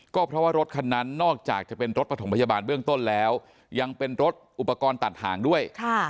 ก็เพราะว่ารถคันนั้นนอกจากจะเป็นรถปฐมพยาบาลเบื้องต้นแล้วยังเป็นรถอุปกรณ์ตัดหางด้วย